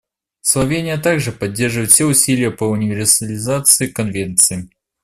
Словения также поддерживает все усилия по универсализации Конвенции.